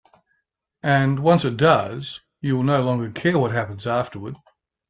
And once it does, you will no longer care what happens afterward.